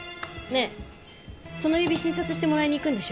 ねえその指診察してもらいに行くんでしょ？